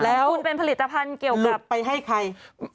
แล้วหลุดไปให้ใคร